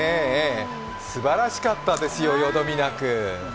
すばらしかったですよ、よどみなく。